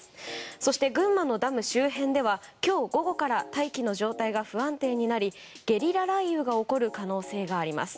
そして群馬のダム周辺では今日午後から大気の状態が不安定になりゲリラ雷雨が起こる可能性があります。